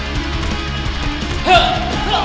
gak ada masalah